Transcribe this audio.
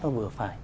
nó vừa phải